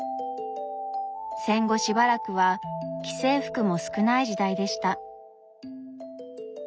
戦後しばらくは既製服も少ない時代でした。